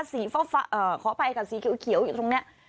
สีฟ้าเอ่อขออภัยกับสีเขียวอยู่ตรงนี้